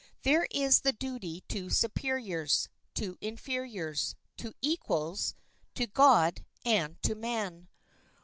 There is the duty to superiors, to inferiors, to equals, to God and to man.